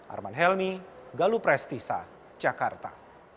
arman helmy galuh prestisa jakarta